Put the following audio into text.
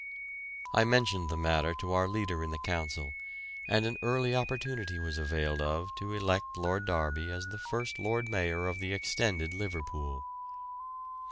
I mentioned the matter to our leader in the Council, and an early opportunity was availed of to elect Lord Derby as the first Lord Mayor of the extended Liverpool.